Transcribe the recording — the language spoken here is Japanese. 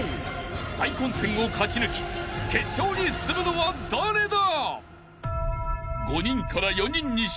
［大混戦を勝ち抜き決勝に進むのは誰だ！？］